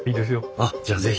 あっじゃあ是非。